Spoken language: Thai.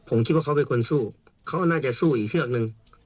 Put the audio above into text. ผมคิดว่าเขาเป็นคนสู้เขาน่าจะสู้อีกเชือกนึง